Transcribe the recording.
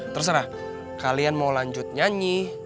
terserah kalian mau lanjut nyanyi